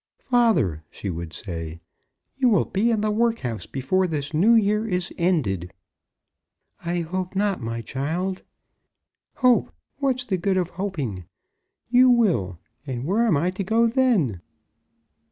"Father," she would say, "you will be in the workhouse before this new year is ended." "I hope not, my child." "Hope! What's the good of hoping? You will. And where am I to go then?